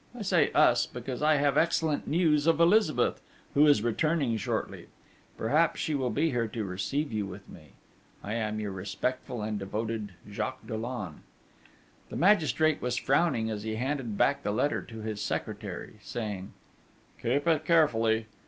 I say 'us,' because I have excellent news of Elizabeth, who is returning shortly: perhaps she will be here to receive you with me._ I am your respectful and devoted Jacques Dollon. The magistrate was frowning as he handed back the letter to his secretary, saying: 'Keep it carefully.'